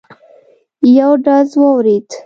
یو ډز واورېد.